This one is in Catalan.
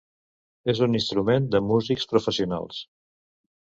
És un instrument de músics professionals.